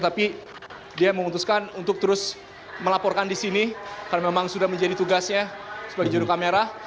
tapi dia memutuskan untuk terus melaporkan di sini karena memang sudah menjadi tugasnya sebagai juru kamera